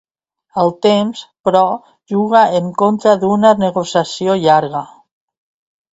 El temps, però, juga en contra d’una negociació llarga.